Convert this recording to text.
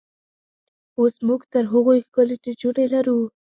اوس موږ تر هغوی ښکلې نجونې لرو.